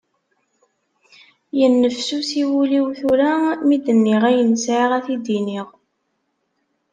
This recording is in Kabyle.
Yennefsusi wul-iw tura mi d-nniɣ ayen sεiɣ ad t-id-iniɣ.